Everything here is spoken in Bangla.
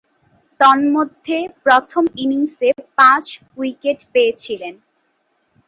তন্মধ্যে প্রথম ইনিংসে পাঁচ উইকেট পেয়েছিলেন।